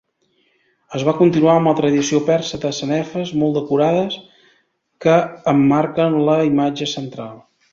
Es va continuar amb la tradició persa de sanefes molt decorades que emmarquen la imatge central.